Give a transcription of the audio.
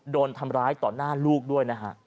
โดนทำร้ายต่อหน้าลูกด้วยนะฮะ